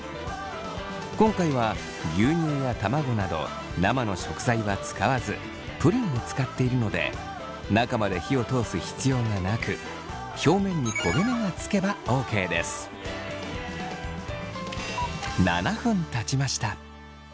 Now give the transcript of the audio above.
今回は牛乳や卵など生の食材は使わずプリンを使っているので中まで火を通す必要がなく表面に焦げ目がつけばＯＫです。じゃん！